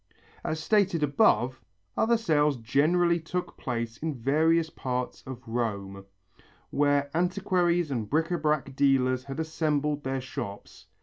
As stated above, other sales generally took place in various parts of Rome where antiquaries and bric à brac dealers had assembled their shops.